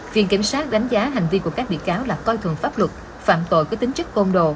viện kiểm soát đánh giá hành vi của các bị cáo là coi thường pháp luật phạm tội có tính chức công đồ